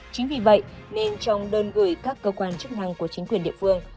chính vì vậy nên trong đơn gửi các cơ quan chức năng của chính quyền địa phương